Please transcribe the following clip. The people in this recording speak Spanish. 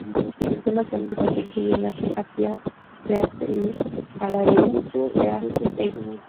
En el sistema Cronquist, solo se incluyen las Apiaceae y Araliaceae.